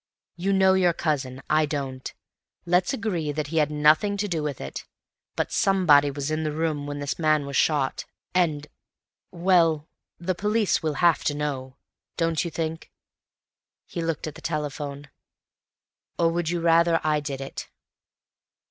"You know your cousin; I don't. Let's agree that he had nothing to do with it. But somebody was in the room when this man was shot, and—well, the police will have to know. Don't you think—" He looked at the telephone. "Or would you rather I did it?"